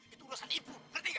itu urusan ibu